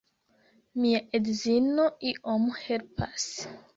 Mia edzino iom helpas.